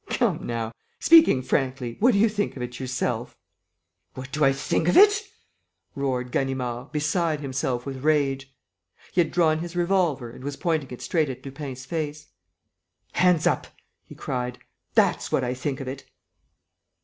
Come now, speaking frankly, what do you think of it yourself?" "What do I think of it?" roared Ganimard, beside himself with rage. He had drawn his revolver and was pointing it straight at Lupin's face. "Hands up!" he cried. "That's what I think of it!"